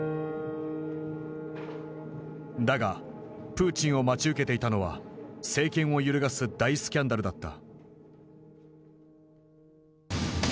だがプーチンを待ち受けていたのは政権を揺るがす大スキャンダルだった。